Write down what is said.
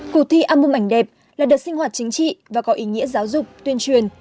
cuộc thi alum ảnh đẹp là đợt sinh hoạt chính trị và có ý nghĩa giáo dục tuyên truyền